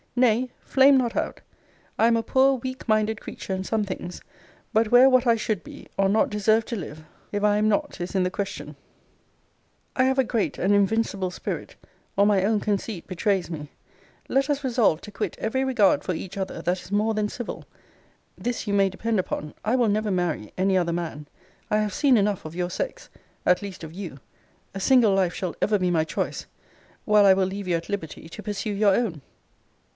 Nay, flame not out I am a poor weak minded creature in some things: but where what I should be, or not deserve to live, if I am not is in the question, I have a great and invincible spirit, or my own conceit betrays me let us resolve to quit every regard for each other that is more than civil. This you may depend upon: I will never marry any other man. I have seen enough of your sex; at least of you. A single life shall ever be my choice: while I will leave you at liberty to pursue your own.